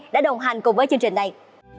đã đồng hành cùng với chương trình này